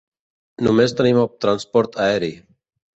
Només tenim el transport aeri.